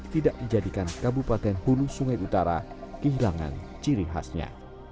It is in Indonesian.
tidak dijadikan kabupaten hulu sungai utara kehilangan ciri khasnya